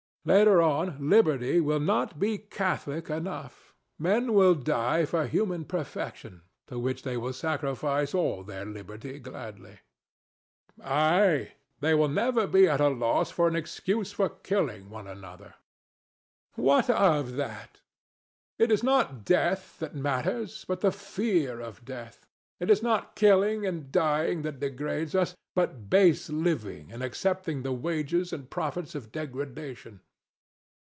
Later on, Liberty will not be Catholic enough: men will die for human perfection, to which they will sacrifice all their liberty gladly. THE DEVIL. Ay: they will never be at a loss for an excuse for killing one another. DON JUAN. What of that? It is not death that matters, but the fear of death. It is not killing and dying that degrade us, but base living, and accepting the wages and profits of degradation.